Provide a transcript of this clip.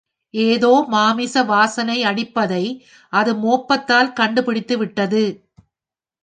ஏதோ மாமிச வாசனை அடிப்பதை அது மோப்பத்தால் கண்டுபிடித்துவிட்டது.